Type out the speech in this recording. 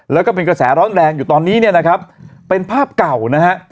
แล้วก็เป็นกระแสร้อนแรงอยู่ตอนนี้เนี่ยนะครับเป็นภาพเก่านะฮะ